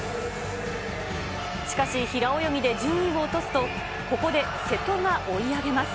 しかし、平泳ぎで順位を落とすと、ここで瀬戸が追い上げます。